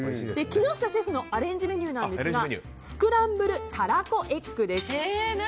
木下シェフのアレンジメニューなんですがスクランブルたらこエッグです。